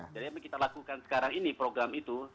jadi apa yang kita lakukan sekarang ini program itu